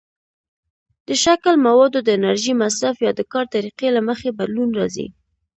د شکل، موادو، د انرژۍ مصرف، یا د کار طریقې له مخې بدلون راځي.